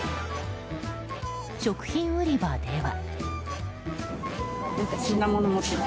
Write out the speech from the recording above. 食品売り場では。